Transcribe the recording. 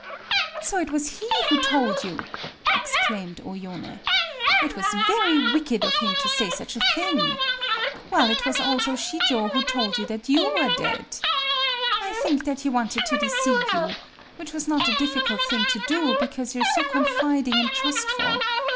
"So it was he who told you?" exclaimed O Yoné. "It was very wicked of him to say such a thing. Well, it was also Shijō who told us that you were dead. I think that he wanted to deceive you,—which was not a difficult thing to do, because you are so confiding and trustful.